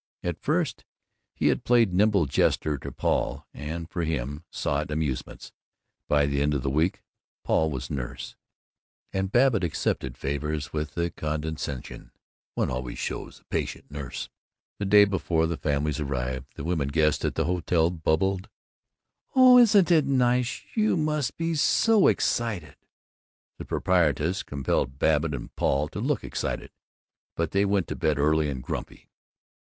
At first he had played nimble jester to Paul and for him sought amusements; by the end of the week Paul was nurse, and Babbitt accepted favors with the condescension one always shows a patient nurse. The day before their families arrived, the women guests at the hotel bubbled, "Oh, isn't it nice! You must be so excited;" and the proprieties compelled Babbitt and Paul to look excited. But they went to bed early and grumpy.